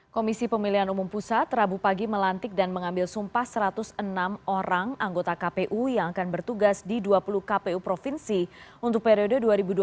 komisi pemilihan umum pusat rabu pagi melantik dan mengambil sumpah satu ratus enam orang anggota kpu yang akan bertugas di dua puluh kpu provinsi untuk periode dua ribu dua puluh